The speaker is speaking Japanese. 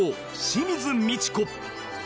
清水ミチコ